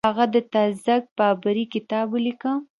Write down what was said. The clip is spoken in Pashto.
هغه د تزک بابري کتاب ولیکه.